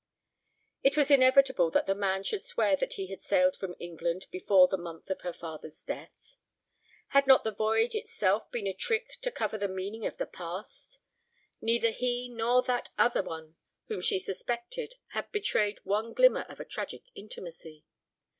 It was inevitable that the man should swear that he had sailed from England before the month of her father's death. Had not the voyage itself been a trick to cover the meaning of the past? Neither he nor that other one whom she suspected had betrayed one glimmer of a tragic intimacy.